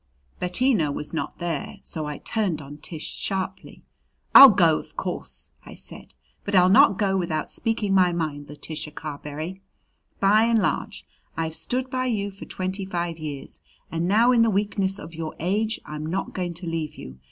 Bettina was not there, so I turned on Tish sharply. "I'll go, of course," I said; "but I'll not go without speaking my mind, Letitia Carberry. By and large, I've stood by you for twenty five years, and now in the weakness of your age I'm not going to leave you.